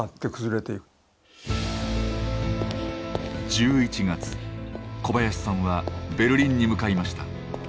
１１月小林さんはベルリンに向かいました。